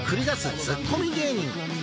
ツッコミ芸人